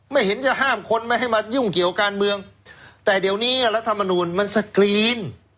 ไม่เห็นจะห้ามคนไม่ให้มายุ่งเกี่ยวการเมืองแต่เดี๋ยวนี้รัฐมนูลมันสกรีน